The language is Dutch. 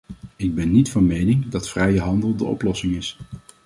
Ik ben niet van mening dat vrije handel de oplossing is.